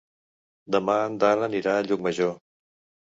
Demà en Dan anirà a Llucmajor.